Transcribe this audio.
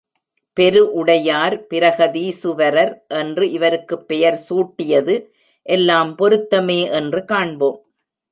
பெரு உடையார், பிரஹதீசுவரர் என்று இவருக்குப் பெயர் சூட்டியது எல்லாம் பொருத்தமே என்று காண்போம்.